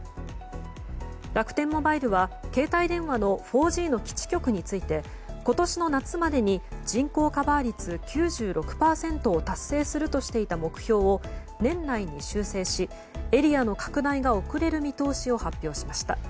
楽天モバイルは携帯電話の４Ｇの基地局について今年の夏までに人口カバー率９６％を達成するとしていた目標を年内に修正しエリアの拡大が遅れる見通しを発表しました。